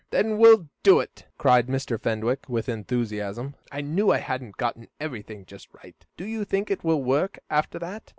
"Then we'll do it!" cried Mr. Fenwick, with enthusiasm. "I knew I hadn't got everything just right. Do you think it will work after that?"